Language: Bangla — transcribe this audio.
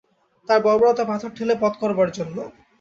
তার বর্বরতা পাথর ঠেলে পথ করবার জন্যে।